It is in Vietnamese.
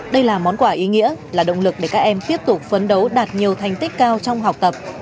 đây là món quà ý nghĩa là động lực để các em tiếp tục phấn đấu đạt nhiều thành tích cao trong học tập